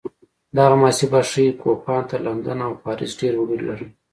دغه محاسبه ښيي کوپان تر لندن او پاریس ډېر وګړي لرل.